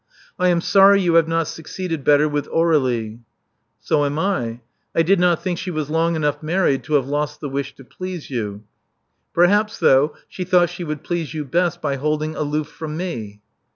I am sorry you have not succeeded better with Aur61ie." So am I. I did not think she was long enough married to have lost the wish to please you. Perhaps, though, she thought she would please you best by holding aloof from me.'